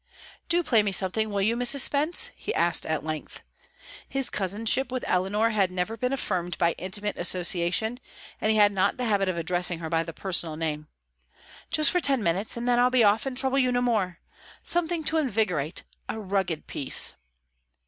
"Do play me something, will you, Mrs. Spence?" he asked at length. (His cousinship with Eleanor had never been affirmed by intimate association, and he had not the habit of addressing her by the personal name.) "Just for ten minutes; then I'll be off and trouble you no more. Something to invigorate! A rugged piece!"